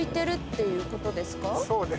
そうですね。